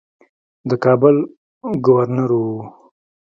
د کابل ګورنر وو.